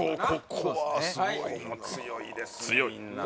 ここも強いですね